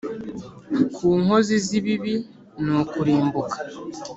ku nkozi z’ibibi ni ukurimbuka